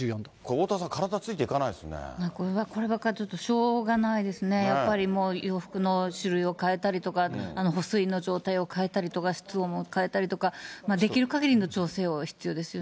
おおたわさん、こればっかりはしょうがないですね、やっぱりもう、洋服の種類を変えたりとか、補水の状態を変えたりとか、室温を変えたりとか、できるかぎりの調整を必要ですよね。